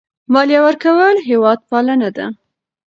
مالیه ورکول هېوادپالنه ده.